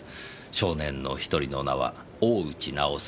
少年の１人の名は大内直輔。